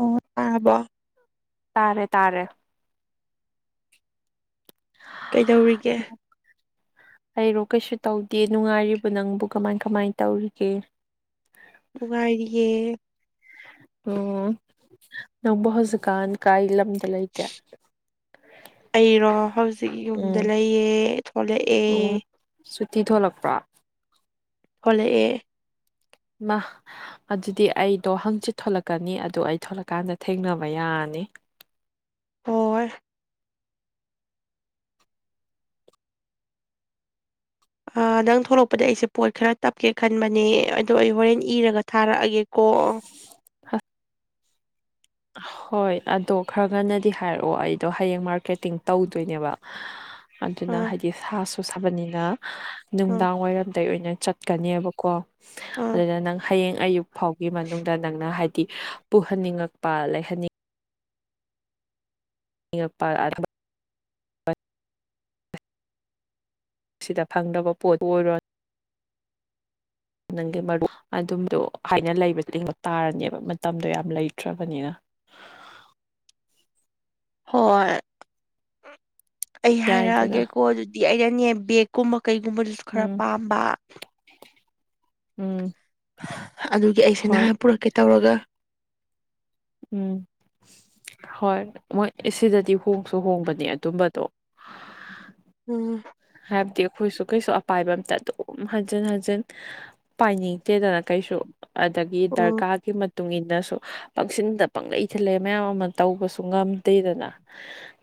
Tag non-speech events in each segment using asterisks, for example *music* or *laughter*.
ꯑꯣ ꯑꯥꯕ *inaudible* ꯇꯔꯦ ꯀꯩꯗꯧꯔꯤꯒꯦ ꯍꯥꯏꯔꯣ ꯀꯩꯁꯨ ꯇꯧꯗꯦ ꯅꯨꯡꯉꯥꯏꯔꯤꯕ ꯅꯪꯕꯨ ꯀꯃꯥꯏ ꯀꯃꯥꯏ ꯇꯧꯔꯤꯒꯦ ꯉꯥꯏꯔꯤꯌꯦ ꯅꯣꯡꯝꯕ ꯨꯀꯥꯥꯟ ꯀ ꯏ ꯂꯝꯂꯝ ꯑꯩꯔꯣ ꯍꯧꯖꯤꯛ ꯌꯨꯝꯗ ꯎꯝ ꯂꯩꯌꯦ ꯐꯂꯦ ꯑꯦ ꯊꯤ ꯊꯣꯛꯂꯛꯄ꯭ꯔꯥ ꯊꯣꯛꯂꯛꯑꯦ ꯃꯥ ꯑꯗꯨꯗꯤ ꯑꯩꯗꯣ ꯍꯪꯆꯤꯠ ꯊꯣꯂꯛꯀꯅꯤ ꯑꯗꯨꯗꯣ ꯑꯩ ꯊꯣꯂꯛꯀꯥꯟꯗ ꯊꯦꯡꯅꯕ ꯌꯥꯔꯅꯤ *unintelligible* ꯑꯣ ꯑ ꯗꯪ ꯊꯣꯛꯂꯛꯄꯗ ꯑꯩꯁꯦ ꯄꯣꯠ ꯈꯔ ꯇꯞꯀꯦ ꯈꯟꯕꯅꯦ ꯑꯗꯣ ꯑꯩ ꯍꯣꯔꯦꯟ ꯏꯔꯒ ꯊꯥꯔꯛꯑꯒꯦꯀꯣ ꯍꯥ ꯍꯣꯏ ꯑꯗꯣ ꯈꯔ ꯉꯟꯅꯗꯤ ꯍꯥꯏꯔꯛꯑꯣ ꯑꯩꯗꯣ ꯍꯌꯦꯡ ꯃꯥꯔꯀꯦꯇꯤꯡ ꯇꯧꯗꯣꯏꯅꯦꯕ ꯑꯗꯨꯅ ꯑꯥ ꯍꯥꯏꯗꯤ ꯁꯥꯁꯨ ꯁꯥꯕꯅꯤꯅ ꯑꯥ ꯅꯨꯡꯗꯥꯡ ꯋꯥꯏꯔꯝꯗ ꯑꯣꯏꯅ ꯆꯠ ꯆꯠꯀꯅꯦꯕꯀꯣ ꯑꯥ ꯑꯗꯨꯗ ꯅꯪ ꯍꯌꯦꯡ ꯑꯌꯨꯛ ꯐꯥꯎꯒꯤ ꯃꯅꯨꯡꯗ ꯅꯪꯅ ꯍꯥꯏ ꯄꯨꯍꯟꯅꯤꯡꯉꯛꯄ ꯂꯩꯍꯟꯅꯤꯡꯉ ꯄꯃ ꯁꯤꯗ ꯐꯪꯗꯕ ꯄꯣꯠꯇꯨ ꯑꯣꯏꯔꯣꯏ ꯅꯪꯒꯤ ꯃꯔꯨꯞ ꯑꯗꯨꯝꯗꯣ ꯍꯥꯏꯅ ꯂꯩꯕ ꯂꯦꯡꯕ ꯇꯥꯔꯅꯦꯕ ꯃꯇꯝꯗꯣ ꯌꯥꯝ ꯂꯩꯇ꯭ꯔꯕꯅꯤꯅ *unintelligible* ꯍꯣꯏ ꯑꯩ ꯌꯥꯏꯗꯅ ꯍꯥꯏꯔꯛꯑꯒꯦꯀꯣ ꯑꯗꯨꯗꯤ ꯑꯩꯅꯅꯦ ꯕꯦꯒꯀꯨꯝꯕ ꯀꯩꯒꯨꯝꯕꯗꯨꯁꯨ ꯈꯔ ꯎꯝ ꯄꯥꯝꯕ ꯎꯝ ꯑꯗꯨꯒꯤ ꯑꯩꯁꯦ ꯍꯣꯏ ꯅꯍꯥꯟ ꯄꯨꯔꯛꯀꯦ ꯇꯧꯔꯒ ꯎꯝ ꯍꯣꯏ ꯃꯣꯏ ꯁꯤꯗꯗꯤ ꯍꯣꯡꯁꯨ ꯍꯣꯡꯕꯅꯦ ꯑꯗꯨꯝꯕꯗꯣ ꯎꯝ ꯍꯥꯏꯕꯗꯤ ꯑꯩꯈꯣꯏꯁꯨ ꯀꯩꯁꯨ ꯑꯄꯥꯏꯕ ꯑꯝꯇ ꯑꯗꯨꯝ ꯍꯟꯖꯤꯟ ꯍꯟꯖꯤꯟ ꯄꯥꯏꯅꯤꯡꯗꯦꯗꯅ ꯀꯩꯁꯨ ꯑꯗꯒꯤ ꯎꯝ ꯗꯔꯀꯥꯔꯒꯤ ꯇꯨꯡ ꯏꯟꯅꯁꯨ ꯄꯪꯁꯤꯟꯗ ꯄꯪꯂꯂꯩ ꯏ ꯊꯤꯜꯂꯛ ꯃꯌꯥꯝ ꯑꯃ ꯇꯧꯕꯁꯨ ꯉꯝꯗꯦꯗꯅ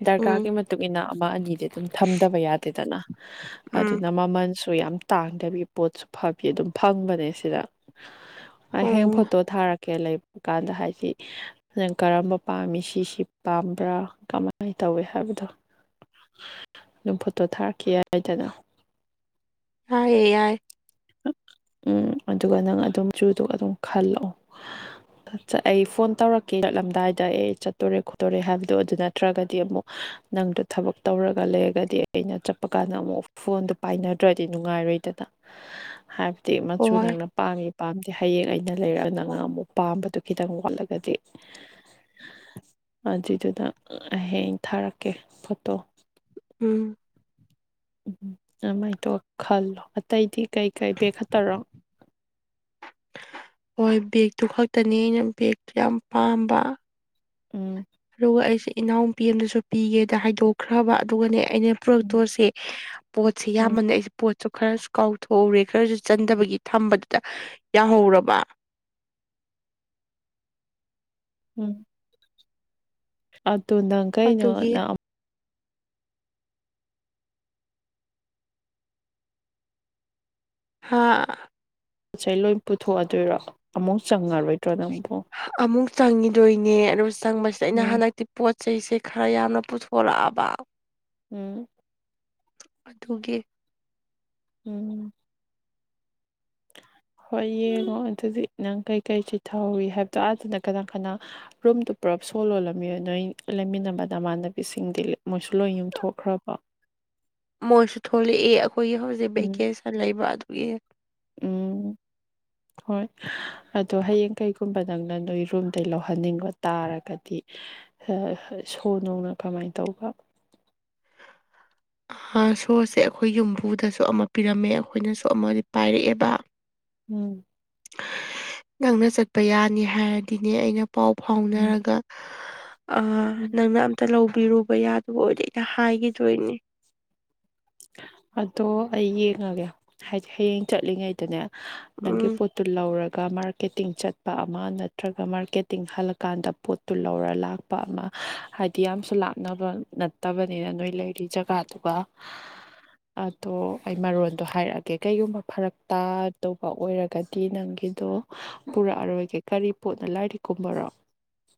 ꯗꯔꯀꯥꯔꯒꯤ ꯎꯝ ꯃꯇꯨꯡ ꯏꯟꯅ ꯑꯃ ꯑꯅꯤꯗꯤ ꯑꯗꯨꯝ ꯊꯝꯗꯕ ꯌꯥꯗꯦꯗꯅ ꯎꯝ ꯑꯗꯨꯅ ꯃꯃꯜꯁꯨ ꯌꯥꯝ ꯇꯥꯡꯗꯕꯤ ꯄꯣꯠꯁꯨ ꯐꯕꯤ ꯑꯗꯨꯝ ꯐꯪꯕꯅꯦ ꯁꯤꯗ ꯍꯌꯦ ꯎꯝ ꯐꯣꯇꯣ ꯊꯥꯔꯛꯀꯦ ꯀꯩ ꯂꯩꯕ ꯀꯥꯟꯗ ꯍꯥꯏꯁꯤ ꯅꯪ ꯀꯔꯝꯕ ꯄꯥꯝꯃꯤ ꯁꯤꯁꯤ ꯄꯥꯝꯕ꯭ꯔꯥ ꯀꯃꯥꯏꯅ ꯇꯧ ꯇꯧꯋꯦ ꯍꯥꯏꯕꯗꯣ ꯑꯗꯨꯝ ꯐꯣꯇꯣ ꯊꯥꯔꯛꯀ ꯍꯥꯏꯗꯅ ꯍꯥꯏꯌꯦ ꯌꯥꯏ ꯎꯝ ꯑꯗꯨꯒ ꯅꯪ ꯑꯗꯨꯝ ꯆꯨꯗꯨ ꯑꯗꯨꯝ ꯈꯜꯂꯛꯑꯣ ꯑꯩ ꯐꯣꯟ ꯇꯧꯔꯛꯀꯦꯔꯛꯂꯝꯗꯥꯏꯗ ꯑꯦ ꯆꯠꯇꯣꯔꯦ ꯈꯣꯠꯇꯣꯔꯦ ꯍꯥꯏꯕꯗꯣ ꯑꯗꯨ ꯅꯠꯇ꯭ꯔꯒꯗꯤ ꯑꯃꯨꯛ ꯅꯪꯗꯣ ꯊꯕꯛ ꯇꯧꯔꯒ ꯂꯩꯔꯒꯗꯤ ꯑꯩꯅ ꯆꯠꯄ ꯀꯥꯟꯗ ꯑꯃꯨꯛ ꯐꯣꯟꯗꯨꯣ ꯄꯥꯏꯅꯗ꯭ꯔꯗꯤ ꯅꯨꯡꯉꯥꯏꯔꯣꯏꯗꯅ ꯍꯥꯏꯕꯗꯤ ꯃꯆꯨ ꯍꯣꯏ ꯅꯪꯅ ꯄꯥꯝꯃꯤ ꯄꯥꯝꯗꯦ ꯍꯌꯦꯡ ꯑꯩꯅ ꯂꯩꯔꯛꯑꯅ ꯉ ꯑꯃꯨꯛ ꯄꯥꯝꯕꯗꯨꯣ ꯈꯤꯇꯪ ꯋꯥꯠꯂꯒꯗꯤ ꯑꯗꯨꯖꯤꯗꯨꯗ ꯍꯌꯦꯡ ꯊꯥꯔꯛꯀꯦ ꯐꯣꯇꯣ ꯎꯝ ꯑꯥꯏ ꯇꯣ ꯈꯜꯂꯣ ꯑ ꯇꯇꯩꯗꯤ ꯀꯩꯀꯩ ꯕꯦꯛ ꯈꯠꯇꯔꯣ ꯑꯗꯨ ꯈꯛꯇꯅꯤ ꯑꯩꯅ ꯕꯦꯒ ꯌꯥꯝ ꯄꯥꯝꯕ ꯎꯝ ꯑꯗꯨꯒ ꯑꯩꯁꯦ ꯏꯅꯥꯎꯨꯄꯤ ꯑꯗꯁꯨ ꯄꯤꯒꯦꯗ ꯍꯥꯏꯗꯣꯛꯈ꯭ꯔꯕ ꯑꯗꯨꯒꯅꯦ ꯑꯩꯅ ꯄ꯭ꯔꯣꯇꯣꯁꯦ ꯄꯣꯠꯁꯦ ꯎꯝ ꯌꯥꯝꯕꯅ ꯑꯩꯁꯦ ꯄꯣꯠꯁꯨ ꯈꯔꯁꯨ ꯀꯥꯎꯊꯣꯛꯎꯧꯔꯦ ꯈꯔꯁꯨ ꯆꯟꯗꯕꯒꯤ ꯊꯝꯕꯗꯨꯗ ꯌꯥꯎꯍꯧꯔꯦ ꯔꯕꯥ ꯎꯝ ꯑꯗꯨ ꯅꯪ ꯀꯩꯅꯣ ꯑꯗꯨꯒꯤ ꯅ ꯍꯥ ꯄꯣꯠ ꯆꯩ ꯂꯣꯏ ꯄꯨꯊꯣꯛꯑꯗꯣꯏꯔꯣ ꯑꯃꯨꯛ ꯆꯪꯉꯔꯣꯏꯗ꯭ꯔꯣ ꯅꯪꯨꯛ ꯑꯃꯨꯛ ꯆꯪꯉꯤꯗꯣꯏꯅꯦ ꯑꯗꯣ ꯆꯪꯕꯁꯤꯗ ꯑꯩꯅ ꯎꯝ ꯍꯟꯗꯛꯇꯤ ꯄꯣꯠ ꯆꯩꯁꯦ ꯈꯔ ꯌꯥꯝꯅ ꯄꯨꯊꯣꯔꯛꯑꯕ ꯎꯝ ꯑꯗꯨꯒꯤ ꯎꯝ *unintelligible* ꯍꯣꯏ ꯌꯦꯡꯉꯣ ꯑꯗꯨꯗꯤ ꯅꯪ ꯀꯩꯀꯩ ꯆꯤꯊꯍꯧꯋꯏ ꯍꯥꯏꯕꯗꯣ ꯑꯥ ꯑꯗꯨꯅ ꯀꯅꯥ ꯀꯅꯥ ꯔꯨꯝꯗꯨ ꯄꯨꯔꯞ ꯄꯨꯂꯞ ꯁꯣꯜ ꯂꯣꯜꯂꯝꯃꯤꯏ ꯅꯣꯏ ꯂꯩꯃꯤꯟꯅꯕ ꯅꯃꯥꯟꯅꯕꯤꯁꯤꯡꯗꯤ ꯃꯣꯏꯁꯨ ꯂꯣꯏ ꯌꯨꯝꯊꯣꯛꯈ꯭ꯔꯕ ꯃꯣꯏꯁꯨ ꯊꯣꯛꯂꯛꯏ ꯑꯩꯈꯣꯏꯒꯤ ꯍꯧꯖꯤꯛ ꯎꯝ ꯚꯦꯀꯦꯁꯟ ꯂꯩꯕ ꯑꯗꯨꯒꯤ ꯎꯝ ꯍꯣꯏ ꯑꯗꯣ ꯍꯌꯦꯡ ꯀꯩ ꯀꯨꯝꯕꯗꯪꯅꯪ ꯅꯣꯏ ꯔꯨꯝꯗꯩ ꯂꯧꯍꯟꯅꯤꯡꯕ ꯇꯥꯔꯒꯗꯤ ꯁꯣ ꯅ‌ꯣꯡꯅ ꯀꯃꯥꯏ ꯇꯧꯕ *inaudible* ꯁꯣꯁꯦ ꯑꯩꯈꯣꯏ ꯌꯨꯝꯕꯨꯗꯁꯨ ꯑꯃ ꯄꯤꯔꯝꯃꯦ ꯑꯩꯈꯣꯏꯅꯁꯨ ꯑꯃꯗꯤ ꯄꯥꯏꯔꯛꯑꯦꯕ ꯎꯝ ꯅꯪꯅ ꯆꯠꯄ ꯌꯥꯅꯤ ꯍꯥꯏꯔꯗꯤꯅꯦ ꯑꯩꯅ ꯄꯥꯎ ꯎꯝ ꯐꯥꯎꯅꯔꯒ ꯑ ꯎꯝ ꯅꯪꯅ ꯑꯝꯇ ꯂꯧꯕꯤꯔꯨꯕ ꯌꯥꯗ‌ꯣ ꯑꯣꯏꯗꯤ ꯑꯩꯅ ꯍꯥꯏꯒꯤꯗꯣꯏꯅꯤ ꯑꯗꯣ ꯑꯩ ꯌꯦꯡꯉꯒꯦ ꯍꯥꯏꯗꯤ ꯍꯌꯦꯡ ꯆꯠꯂꯤꯉꯩꯗꯅꯦ ꯅꯪꯒꯤ ꯎꯝ ꯄꯣꯠꯇꯨ ꯂꯧꯔꯒ ꯃꯥꯔꯀꯦꯇꯤꯡ ꯆꯠꯄ ꯑꯃ ꯅꯠꯇ꯭ꯔꯒ ꯃꯥꯔꯀꯦꯇꯤꯡ ꯍꯜꯂꯀꯥꯟꯗ ꯄꯣꯠꯇꯨ ꯂꯧꯔ ꯂꯥꯛꯄ ꯑꯃ ꯍꯥꯏꯗꯤ ꯌꯥꯝꯁꯨ ꯂꯥꯞꯅꯕ ꯅꯠꯇꯕꯅꯤꯅ ꯅꯣꯏ ꯂꯩꯔꯤ ꯖꯒꯥꯗꯨꯒ *inaudible* ꯑꯗꯣ ꯑꯩ ꯃꯔꯣꯟꯗꯣ ꯍꯥꯏꯔꯛꯑꯒꯦ ꯀꯩꯒꯨꯝꯕ ꯐꯔꯛ ꯇꯥꯗꯧꯕ ꯑꯣꯏꯔꯒꯗꯤ ꯅꯪꯒꯤꯗꯣ ꯄꯨꯔꯛꯑꯔꯣꯏꯒꯦ ꯀꯔꯤ ꯄꯣꯠꯅ‌ꯣ ꯂꯥꯏꯔꯤꯛꯀꯨꯝꯕꯔꯣ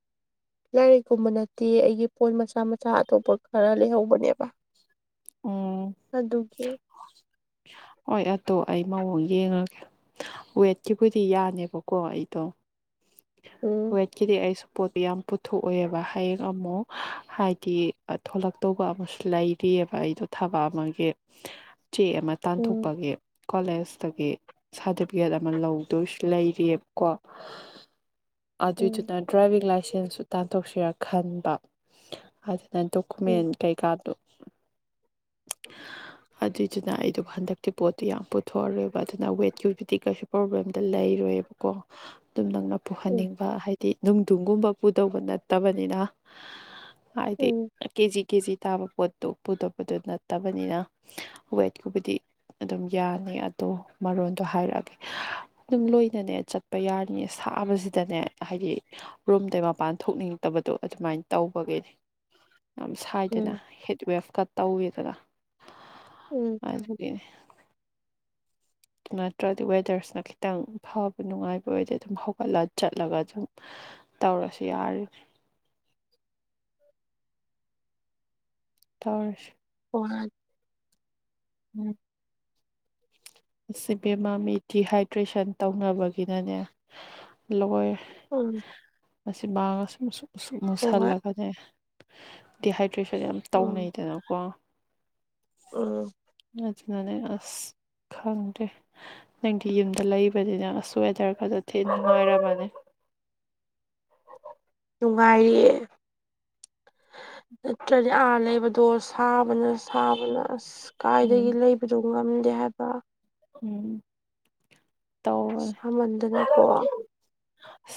*inaudible* ꯂꯥꯏꯔꯤꯛꯀꯨꯝꯕ ꯅꯠꯇꯦ ꯑꯩꯒꯤ ꯄꯣꯠ ꯃꯆꯥ ꯃꯆꯥ ꯑꯇꯣꯞꯄ ꯈꯔ ꯂꯩꯍꯧꯕꯅꯦꯕ ꯎꯝ ꯑꯗꯨꯒꯤ ꯍꯣꯏ ꯑꯗꯣ ꯑꯩ ꯃꯑꯣꯡ ꯌꯦꯡꯉꯒꯦ ꯋꯦꯠꯀꯤꯕꯨꯗꯤ ꯌꯥꯅꯦꯕꯀꯣ ꯑꯩꯗꯣ ꯎꯝ ꯋ‌ꯦꯠꯀꯤꯗꯤ ꯑꯩꯁꯨ ꯄꯣꯠꯇꯤ ꯌꯥꯝ ꯄꯨꯊꯣꯛꯑꯏꯦꯕ ꯍꯌꯦꯡ ꯑꯃꯨꯛ ꯍꯥꯏꯗꯤ ꯊꯣꯂꯛꯇꯧꯕ ꯑꯃꯁꯨ ꯂꯩꯔꯤ ꯌ‌ꯦꯕ ꯑꯩꯗꯣ ꯊꯕꯛ ꯑꯃꯒꯤ ꯆꯦ ꯑꯃ ꯎꯝ ꯇꯥꯟꯊꯣꯛꯄꯒꯤ ꯀꯣꯂꯦꯖꯇꯒꯤ ꯁꯥꯔꯇꯤꯐꯤꯀꯦꯠ ꯑꯃ ꯂꯧꯗꯣꯏꯁꯨ ꯂꯩꯔꯤꯑꯕꯀꯣ ꯎꯝ ꯑꯗꯨꯏꯗꯨꯅ ꯗ꯭ꯔꯥꯏꯚꯤꯡ ꯂꯥꯏꯁꯦꯟꯁꯁꯨ ꯇꯥꯟꯊꯣꯛꯁꯤꯔ ꯈꯟꯕ ꯑꯗꯨ ꯅ ꯗꯣꯀꯨꯃꯦꯟ ꯎꯝ ꯀꯩꯀꯥꯗꯣ *inaudible* ꯑꯗꯨꯏꯗꯨꯅ ꯑꯩꯗꯣ ꯍꯟꯗꯛꯇꯤ ꯄꯣꯠꯇꯣ ꯌꯥꯝ ꯄꯨꯊꯣꯛꯑꯔꯣꯏꯕ ꯑꯗꯨꯅ ꯋꯦꯠꯀꯤꯕꯨꯗꯤ ꯀꯩꯁꯨ ꯄ꯭ꯔꯣꯕ꯭ꯂꯦꯝꯗ ꯂꯩ ꯂꯩꯔꯣꯏꯑꯕꯀꯣ ꯑꯗꯨꯝ ꯅꯪꯅ ꯎꯝ ꯄꯨꯍꯟꯅꯤꯡꯕ ꯍꯥꯏꯗꯤ ꯅꯨꯡꯊꯒꯨꯝꯕ ꯄꯨꯗꯧꯕ ꯅꯠꯇꯕꯅꯤꯅ ꯍꯥꯏꯗꯤ ꯎꯝ ꯀꯦ ꯖꯤ ꯀꯦꯖꯤ ꯇꯥꯕ ꯄꯣꯠꯇꯣ ꯄꯨꯗꯣꯛ ꯑꯗꯨ ꯅꯠꯇꯕꯅꯤꯅ ꯋꯦꯠꯀꯨꯕꯨꯗꯤ ꯑꯗꯨꯝ ꯌꯥꯅꯤ ꯑꯗꯣ ꯃꯔꯣꯟꯗꯣ ꯍꯥꯏꯔꯛꯑꯒꯦ ꯑꯗꯨꯝ ꯂꯣꯏꯅꯅꯦ ꯆꯠꯄ ꯌꯥꯔꯅꯤ ꯁꯥꯕꯁꯤꯗꯅꯦ ꯍꯥꯏꯗꯤ ꯔꯨꯝꯗꯩ ꯃꯄꯥꯟ ꯊꯣꯛꯅꯤꯡꯗꯕ ꯗꯣ ꯑꯗꯨꯃꯥꯏꯅ ꯇꯧꯕꯒꯤꯅꯦ *unintelligible* ꯌꯥꯝ ꯁꯥꯏꯗꯅ ꯎꯝ ꯍꯦꯠꯋꯦꯐꯀ ꯇꯧꯋꯦꯗꯅ ꯎꯝ ꯑꯖꯒ ꯑꯗꯨ ꯅꯠꯇ꯭ꯔꯒꯗꯤ ꯋꯦꯗꯔꯁꯅ ꯈꯤꯇꯪ ꯐꯕ ꯅꯨꯡꯉꯥꯏꯕ ꯑꯣꯏꯔꯗꯤ ꯑꯗꯨꯝ ꯍꯧꯒꯠꯂ ꯆꯠꯂꯒ ꯑꯗꯨꯝ ꯇꯧꯔꯁꯨ ꯌꯥꯔ *unintelligible* ꯇꯥꯔꯁ ꯄꯨ ꯎꯝ ꯁꯤꯕ ꯃꯃꯤ ꯗꯤꯍꯥꯏꯗ꯭ꯔꯦꯁꯟ ꯇꯧꯅꯕꯒꯤꯅꯅꯦ ꯂꯣꯏ ꯎꯝ ꯃꯁꯤꯁꯁ ꯃꯨꯁꯜ ꯍꯣꯏ ꯂꯒꯗ ꯗꯍ ꯇ꯭ꯔꯤꯁ ꯌꯥꯝ ꯎꯝ ꯇꯧꯅꯩꯗꯅꯀꯣ ꯎꯝ ꯃꯥꯅꯦ ꯑꯁ ꯈꯪꯗꯦ ꯅꯪꯗꯤ ꯌꯨꯝꯗ ꯂꯩꯕꯅꯤ ꯅꯪ ꯑꯁ ꯋꯦꯗꯔ ꯈꯔꯛꯇ ꯊꯤ ꯅꯨꯡꯉꯥꯏꯔꯕꯅꯤ ꯅꯨꯡꯉꯥꯏꯔꯤꯌꯦ ꯅꯠꯇ꯭ꯔꯗꯤ ꯑꯥ ꯂꯩꯕꯗꯣ ꯁꯥꯕꯅ ꯁꯥꯕꯅ ꯑꯁ ꯎꯝ ꯀꯥꯏꯗꯒꯤ ꯂꯩꯕꯗꯨꯣ ꯉꯝꯗꯦ ꯍꯥꯏꯕ ꯎꯝ ꯇꯧꯕꯅꯦ ꯑ ꯃꯗꯅ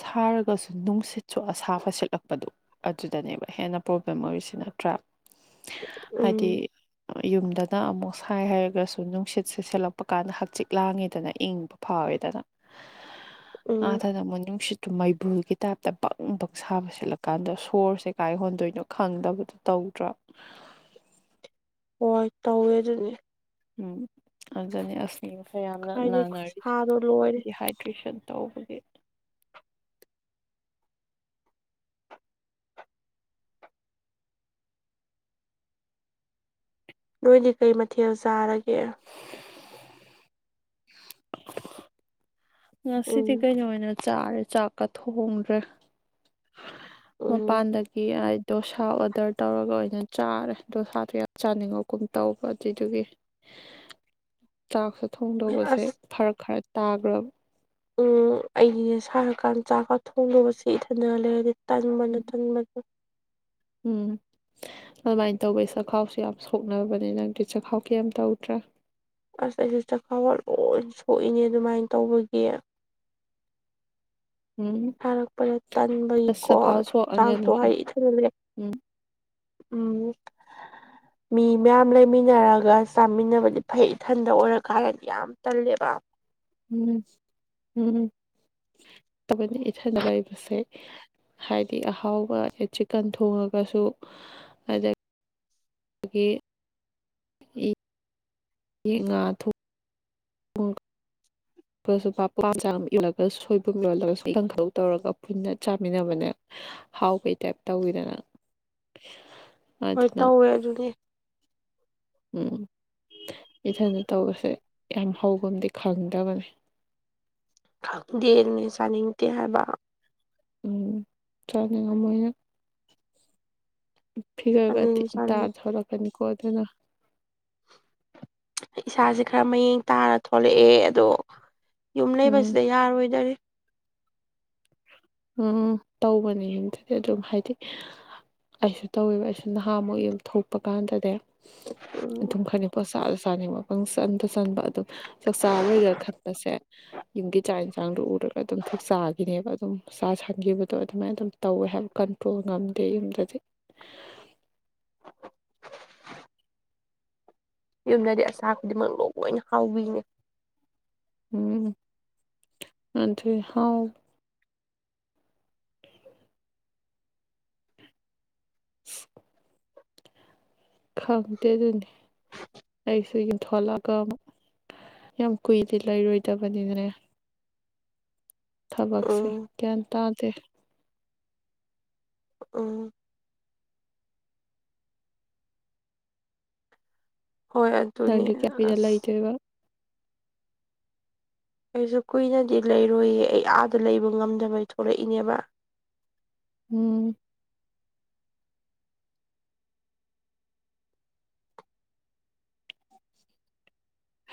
ꯁꯥꯔꯒꯁꯨ ꯅꯨꯡꯁꯤꯠ ꯁꯣ ꯑꯁꯥ ꯐ ꯁꯤꯠꯂꯛꯄꯗꯣ ꯑꯗꯨꯗꯅꯦꯕ ꯍꯦꯟꯅ ꯄ꯭ꯔꯣꯕ꯭ꯂꯦꯝ ꯑꯣꯏꯔꯤꯁꯤ ꯅꯇ꯭ꯔꯥꯏ ꯎꯝ ꯍꯥꯏꯗꯤ ꯌꯨꯝꯗꯅ ꯑꯃꯨꯛ ꯁꯥꯏ ꯍꯥꯏꯔꯒꯁꯨ ꯅꯨꯡꯁꯤꯠꯁꯦ ꯁꯦꯠꯂꯛꯄ ꯀꯥꯟꯗ ꯍꯛꯆꯤꯛ ꯂꯥꯡꯉꯤꯗꯅ ꯏꯪꯕ ꯐꯥꯎꯋꯦ ꯎꯝ ꯑꯗ ꯃꯅꯤ ꯅꯨꯁꯤ ꯑꯗꯨ ꯃꯩꯕꯨꯜꯒꯤ ꯇꯥꯏꯞꯇ ꯕꯪ ꯕꯛ ꯁꯥꯕ ꯁꯤꯠꯂꯀꯥꯟꯗ ꯁꯣꯔꯁꯦ ꯀꯥꯏ ꯍꯣꯟꯗꯣꯏꯅꯣ ꯈꯪꯗꯕꯗꯣ ꯇꯧ ꯗ꯭ꯔ *inaudible* ꯍꯣꯏ ꯇꯧꯋꯦ ꯑꯗꯨꯅꯤ ꯎꯝ ꯑꯗꯨꯅꯤ ꯑꯁꯅꯤ ꯃꯁ ꯌꯥꯝꯅ ꯀꯥꯏꯗꯩ ꯅꯥꯟꯅꯔꯤꯁꯦ ꯈꯨꯠꯁꯥꯗꯣ ꯂꯣꯏꯔꯦ ꯗꯤꯍꯥꯏꯗ꯭꯭ꯔꯔꯤꯁꯟ ꯇꯧꯕꯒꯤ ꯅꯣꯏꯗꯤ ꯀꯩ ꯃꯊꯦꯜ ꯆꯥꯔꯒꯦ ꯉꯁꯤꯗꯤ ꯎꯝ ꯀꯩꯅꯣ ꯑꯣꯏꯅ ꯆꯥꯔꯦ ꯆꯥꯛꯀ ꯊꯣꯡꯗ꯭ꯔꯦ ꯃ ꯎꯝ ꯄꯥꯟꯗꯒꯤ ꯍꯥꯏ ꯗꯣꯁꯥ ꯑꯣꯗꯔ ꯇꯧꯔꯒ ꯑꯣꯏꯅ ꯆꯥꯔꯦ ꯗꯣꯁꯥꯗꯣ ꯌꯥꯝ ꯆꯥꯅꯤꯡꯉꯛꯀꯨꯝ ꯇꯧꯕ ꯑꯗꯨꯏꯗꯨꯒꯤ *inaudible* ꯆꯥꯛꯁꯦ ꯊꯣꯡꯗꯧꯕꯁꯦ ꯑꯁ ꯐꯔꯛ ꯈꯔ ꯇꯥꯒ꯭ꯔꯕ ꯎꯝ ꯑꯩꯒꯤ ꯁꯥꯔꯀꯥꯟꯗ ꯆꯥꯛꯀ ꯊꯣꯡꯅꯕꯁꯦ ꯏꯊꯟꯗ ꯂꯩꯔꯗꯤ ꯇꯟꯕꯅꯣ ꯇꯟꯕꯗ ꯎꯝ ꯑꯗꯨꯃꯥꯏꯅ ꯇꯧꯕꯩ ꯆꯥꯛꯈꯥꯎꯁꯤ ꯌꯥꯝ ꯁꯣꯛꯅꯕꯅꯤ ꯅꯪꯗꯤ ꯆꯥꯛꯈꯥꯎ ꯀꯩ ꯇꯧꯗ꯭ꯔꯦ ꯑꯁ ꯑꯩꯁꯨ ꯆꯈꯥꯎꯕ ꯂꯣꯏ ꯁꯣꯛꯏꯅꯦ ꯑꯗꯨꯃꯥꯏꯅ ꯇꯧꯕꯒꯤ ꯎꯝ ꯊꯔꯛꯄꯗ ꯇꯟꯕꯒꯤꯀꯣ ꯑꯁ ꯆꯈꯥꯎ ꯁꯣꯛꯑꯅꯤ ꯆꯥꯛꯇꯣ ꯑꯗꯨꯁꯦ ꯍꯥꯏ ꯊꯜꯂꯦ ꯎꯝ ꯎꯝ ꯃꯤ ꯃꯌꯥꯝ ꯂꯩꯃꯤꯟꯅꯔꯒ ꯆꯥꯃꯤꯟꯅꯕꯗꯤ ꯐꯩ ꯏꯊꯟꯗ ꯑꯣꯏꯔꯀꯥꯟꯗꯗꯤ ꯌꯥꯝ ꯇꯜꯂꯦꯕ ꯎꯝ ꯎꯝ ꯇꯃꯅꯤ ꯏꯊꯥꯏꯅꯔꯕꯁꯦ ꯍꯥꯏꯗꯤ ꯑꯍꯥꯎꯕ ꯆꯤꯛꯀꯟ ꯊꯣꯡꯉꯒꯁꯨ ꯑ ꯑꯩꯗꯒꯤ ꯌꯦ ꯉꯥ ꯊꯣ ꯑꯩꯁꯨꯆꯥꯝ ꯏꯜꯂꯒ ꯁꯣꯏꯕꯨꯝ ꯌꯣꯜꯂꯒꯁꯨ ꯏꯀꯪ ꯈꯧ ꯇꯧꯔꯒ ꯄꯨꯟꯅ ꯆꯥꯃꯤꯟꯅꯕꯅꯦ ꯍꯥꯎ ꯀꯩ ꯇꯥꯏꯞ ꯇꯧꯋꯤꯗꯅ ꯍꯣꯏ ꯑꯗꯨꯅ ꯇꯧꯋꯦ ꯑꯗꯨꯗꯤ ꯎꯝ ꯏꯊꯅ ꯇꯧꯕꯁꯦ ꯌꯥꯝ ꯍꯧꯕꯕꯨꯗꯤ ꯈꯪꯗꯕꯅꯤ ꯗꯦꯔꯅꯦ ꯆꯥꯅꯤꯡꯇꯦ ꯍꯥꯏꯕ ꯎꯝ ꯆꯂꯦ ꯑꯃ ꯐꯤꯒꯔꯒ ꯑꯗꯨꯅꯤ ꯇꯥ ꯆꯥꯅꯤꯡꯉꯤ ꯊꯔꯛꯀꯅꯤꯀꯣ ꯑꯗꯨꯅ ꯏꯁꯥꯁꯦ ꯈꯔ ꯃꯌꯦꯡ ꯇꯥꯔ ꯊꯣꯛꯂꯛꯑꯦ ꯑꯗꯣ ꯌꯨꯝ ꯎꯝ ꯂꯩꯕꯁꯤꯗ ꯌꯥꯔꯣꯏꯗꯔꯦ ꯎꯝ ꯇꯧꯕꯅꯦꯇꯗꯤ ꯑꯗꯨꯝ ꯍꯥꯏꯗꯤ ꯑꯩꯁꯨ ꯇꯧꯋꯦꯕ ꯑꯩꯁꯨ ꯅꯍꯥꯃꯨꯛ ꯌꯦ ꯊꯣꯛꯄ ꯀꯥꯟꯗꯗꯤ ꯎꯝ ꯑꯗꯨꯝ ꯈꯔꯅꯤ ꯄꯣꯠ ꯆꯥꯗ ꯆꯥꯅꯤꯡꯕ ꯄꯪ ꯆꯟꯗ ꯆꯟꯕ ꯑꯗꯨꯝ ꯆꯥꯛꯆꯥꯔꯣꯏꯔꯒ ꯈꯠꯄꯁꯦ ꯌꯨꯝꯒꯤ ꯆꯥꯛ ꯌꯦꯟꯁꯥꯡ ꯑꯗꯨ ꯎꯔꯒ ꯑꯗꯨꯝ ꯊ ꯊꯣꯛꯆꯥꯈꯤꯅꯦꯕ ꯑꯗꯨꯝ ꯁꯥ ꯁꯟꯈꯤꯕꯗꯣ ꯑꯗꯨꯃꯥꯏꯅ ꯑꯗꯨꯝ ꯇꯧꯋꯦ ꯍꯥꯏꯕ ꯀꯟꯇ꯭ꯔꯣꯜ ꯉꯝꯗꯦ ꯌꯨꯝꯗꯗꯤ ꯌꯨꯝꯗꯗꯤ ꯑꯆꯥ ꯈꯨꯗꯤꯡꯃꯛ ꯂ ꯂꯣꯏꯅ ꯍꯥꯎꯕꯤꯅꯦ ꯎꯝ ꯑ ꯊ ꯍꯥꯎ ꯈꯪꯗ ꯑꯗꯨꯅꯤ ꯀꯁꯨ ꯌꯨꯝꯊꯣꯛꯂꯛꯑꯒ ꯌꯥꯝ ꯀꯨꯏꯗꯤꯦ ꯂꯩꯔꯣꯏꯗꯕꯅꯤꯅꯅꯦ ꯊꯕꯛꯁꯤꯦ ꯎꯝ ꯀꯌꯥ ꯇꯥꯖꯦ ꯎꯝ ꯍꯣꯏ ꯑꯗꯨꯅꯦ ꯂꯪꯂꯤ ꯀꯌꯥꯞꯗꯂ ꯑꯁ ꯂꯩꯗꯣꯏꯕ ꯑꯩꯁꯨ ꯀꯨꯏꯅꯗꯤ ꯂꯩꯔꯣꯏꯌꯦ ꯑꯩ ꯑꯥꯗ ꯂꯩꯕ ꯉꯝꯗꯕꯩ ꯊꯣꯛꯂꯛꯏꯅꯦꯕ ꯎꯝ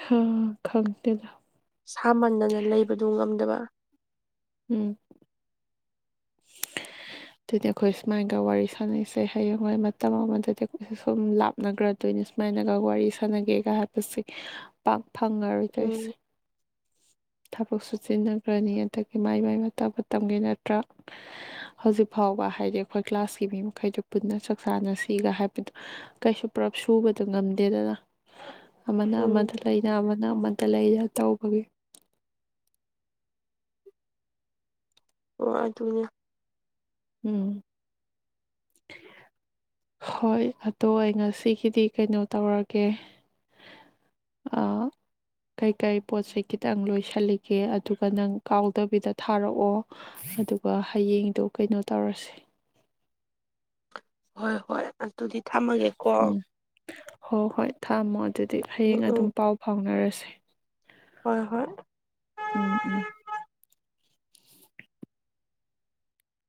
ꯍꯥꯥ ꯈꯪꯇꯗ ꯁꯥꯃꯟꯗꯅ ꯂꯩꯕꯗꯨ ꯉꯝꯗꯕ ꯎꯝ *unintelligible* ꯑꯗꯨꯗꯤ ꯑꯩꯈꯣꯏ ꯁꯨꯃꯥꯏꯒ ꯋꯥꯔꯤ ꯁꯥꯟꯅꯩꯁꯦ ꯍꯌꯦꯡ ꯍꯣꯏ ꯃꯇꯝ ꯑꯃꯗꯗꯤ ꯑꯩꯈꯣꯏꯁꯦ ꯁꯨꯝ ꯂꯥꯞꯅꯈ꯭ꯔ ꯑꯗꯨ ꯑꯗꯨꯣꯏꯅ ꯁꯨꯃꯥꯏꯅꯒ ꯋꯥꯔꯤ ꯁꯥꯟꯅꯒꯦꯒ ꯍꯥꯏꯕꯁꯦ ꯄꯥꯛ ꯐꯪꯉꯔꯣꯏꯗꯣꯏꯁꯦ ꯎꯝ ꯊꯕꯛ ꯁꯨ ꯆꯖꯤꯟꯅꯈ꯭ꯔꯅꯤ ꯑꯗꯒꯤ ꯃꯥꯏ ꯃꯥꯏ ꯃꯇ ꯇꯥꯛꯄ ꯇꯝꯒꯦ ꯅꯠꯇ꯭ꯔꯥ ꯍꯧꯖꯤꯛ ꯐꯥꯎ ꯐꯥꯎꯕ ꯍꯥꯏꯗꯤ ꯑꯩꯈꯣꯏ ꯀ꯭ꯂꯥꯁꯀꯤ ꯃꯤ ꯃꯈꯩꯗꯨ ꯄꯨꯟꯅ ꯆꯥꯛ ꯆꯥꯅꯁꯤꯒ ꯍꯥꯏꯕꯗ ꯀꯩꯁꯨ ꯄꯨꯂꯞ ꯁꯨꯕꯗ ꯉꯝꯗꯦꯗ *unintelligible* ꯑꯃꯅ ꯎꯝ ꯑꯃꯗ ꯂꯩꯅ ꯑꯃꯅ ꯑꯃꯗ ꯂꯩꯅ ꯇꯧꯕꯒꯤ ꯑꯣ ꯑꯗꯨꯅꯦ ꯎꯝ *unintelligible* ꯍꯣꯏ ꯑꯣ ꯑꯩ ꯉꯁꯤꯒꯤꯗꯤ ꯀꯩꯅꯣ ꯇꯧꯔꯒꯦ ꯑꯥ *unintelligible* ꯀꯩꯀꯩ ꯄꯣꯠ ꯆꯩꯩ ꯈꯤꯇꯪ ꯂꯣꯏꯁꯤꯜꯂꯤꯒꯦ ꯑꯗꯨꯒ ꯅꯪ ꯀꯥꯎꯗꯕꯤꯗ ꯊꯥꯔꯛꯑꯣ ꯑꯗꯨꯒ ꯍꯌꯦꯡꯗꯣ ꯀꯩꯅꯣ ꯇꯧꯔꯁꯦ *unintelligible* ꯍꯣꯏ ꯍꯣꯏ ꯑꯗꯨꯗꯤ ꯊꯝꯃꯒꯦꯀꯣ ꯍꯣ ꯍꯣꯏ ꯊꯝꯃꯣ ꯑꯗꯨꯗꯤ ꯎꯝ ꯍꯌꯦꯡ ꯎꯝ ꯑꯗꯨꯝ ꯄꯥꯎ ꯐꯥꯎꯅꯔꯁꯦ ꯍꯣꯏ ꯍꯣꯏ ꯎꯝ ꯎꯝ